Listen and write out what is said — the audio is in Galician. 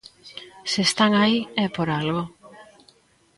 Se están aí, é por algo.